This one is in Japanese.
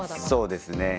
そうですね。